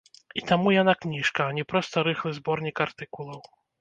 І таму яна кніжка, а не проста рыхлы зборнік артыкулаў.